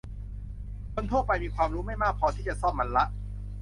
คนทั่วไปมีความรู้ไม่มากพอที่จะซ่อมมันละ